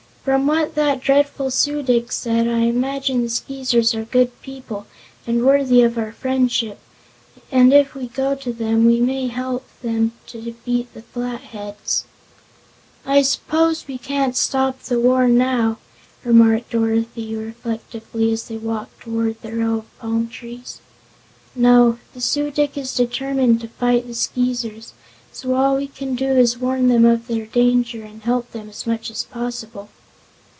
"From what that dreadful Su dic said I imagine the Skeezers are good people and worthy of our friendship, and if we go to them we may help them to defeat the Flatheads." "I s'pose we can't stop the war now," remarked Dorothy reflectively, as they walked toward the row of palm trees. "No; the Su dic is determined to fight the Skeezers, so all we can do is to warn them of their danger and help them as much as possible."